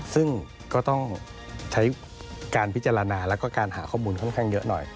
ซึ่งก็ต้องใช้การพิจารณาแล้วก็การหาข้อมูลค่อนข้างเยอะหน่อย